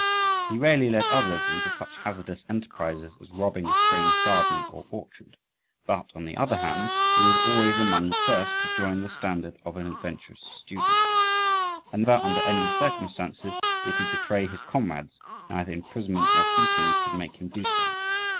He rarely led others into such hazardous enterprises as robbing a strange garden or orchard; but, on the other hand, he was always among the first to join the standard of an adventurous student. And never, under any circumstances, did he betray his comrades; neither imprisonment nor beatings could make him do so.